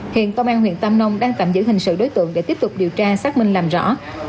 hiện công an huyện tam nông đang tạm giữ hình sự đối tượng để tiếp tục điều tra xác minh làm rõ